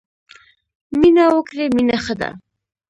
مینه وکړی مینه ښه ده.